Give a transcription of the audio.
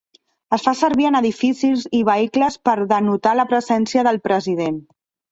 Es fa servir en edificis i vehicles per denotar la presència del president.